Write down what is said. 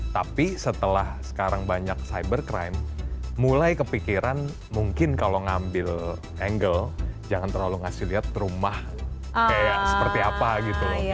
tapi setelah sekarang banyak cybercrime mulai kepikiran mungkin kalau ngambil angle jangan terlalu ngasih lihat rumah kayak seperti apa gitu loh